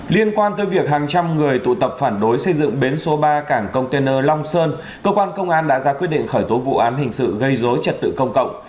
liên quan tới việc hàng trăm người tụ tập phản đối xây dựng bến số ba cảng container long sơn cơ quan công an đã ra quyết định khởi tố vụ án hình sự gây dối trật tự công cộng